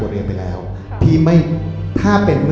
ตรงประเด็น